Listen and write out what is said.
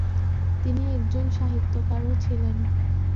তিনি একজন সাহিত্যকারও ছিলেন।